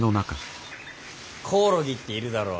コオロギっているだろ。